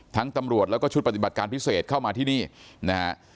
ตำรวจแล้วก็ชุดปฏิบัติการพิเศษเข้ามาที่นี่นะฮะ